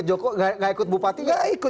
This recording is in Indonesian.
jadi nggak ikut bupati nggak ikut